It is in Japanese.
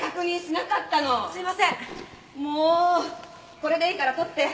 これでいいから撮って！